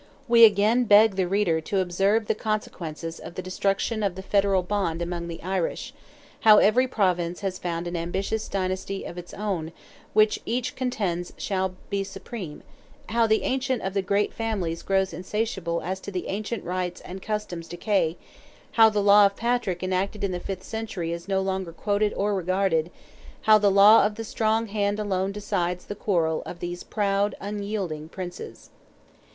We again beg the reader to observe the consequences of the destruction of the federal bond among the Irish; how every province has found an ambitious dynasty of its own, which each contends shall be supreme; how the ambition of the great families grows insatiable as the ancient rights and customs decay; how the law of Patrick enacted in the fifth century is no longer quoted or regarded; how the law of the strong hand alone decides the quarrel of these proud, unyielding Princes.